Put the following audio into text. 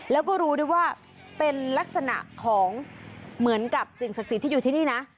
แล้วก็รู้ด้วยว่าเป็นลักษณะของเหมือนกับสิ่งศักดิ์สิทธิ์ที่อยู่ที่นี่นะ